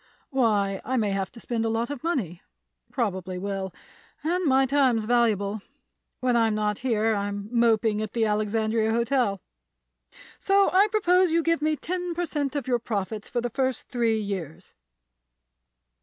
"Why, I may have to spend a lot of money; probably will; and my time's valuable; when I'm not here I'm moping at the Alexandria Hotel; so I propose you give me ten per cent of your profits for the first three years."